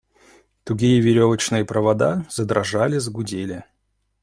Тугие веревочные провода задрожали, загудели.